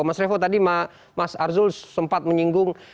mas revo tadi mas arzul sempat menyinggung